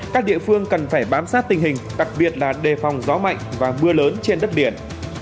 các địa phương cần phải bám sát tình hình đặc biệt là đề phòng gió mạnh và mưa lớn trên đất biển